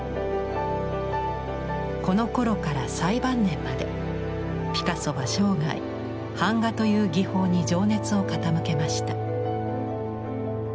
このころから最晩年までピカソは生涯版画という技法に情熱を傾けました。